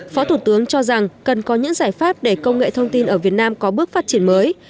phó thủ tướng cho rằng cần có những giải pháp để công nghệ thông tin ở việt nam có bước phát triển mới